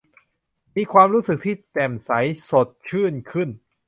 มีความรู้สึกที่แจ่มใสสดชื่นขึ้น